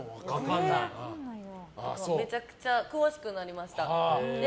めちゃくちゃ詳しくなりました。